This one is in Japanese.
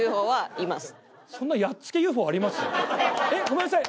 えっごめんなさい。